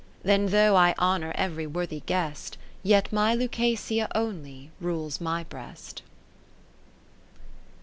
Then though I honour every worthy guest. Yet my Lucasia only rules my breast.